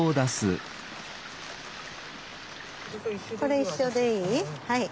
これ一緒でいい？